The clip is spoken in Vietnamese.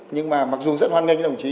nhưng mà mặc dù rất hoan nghênh với đồng chí